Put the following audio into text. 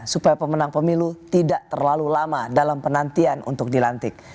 supaya pemenang pemilu tidak terlalu lama dalam penantian untuk dilantik